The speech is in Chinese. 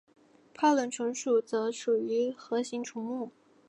泡轮虫属则属于核形虫目。